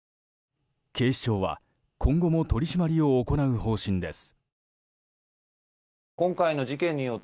警視庁は今後も取り締まりを行う方針です。